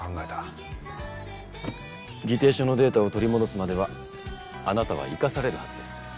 議定書のデータを取り戻すまではあなたは生かされるはずです。